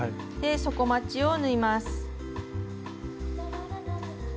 で底まちを縫います。